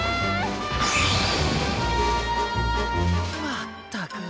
まったく。